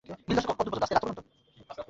ওদের উপড়ে ফেল!